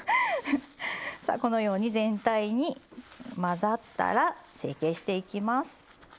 さあこのように全体に混ざったら成形していきます。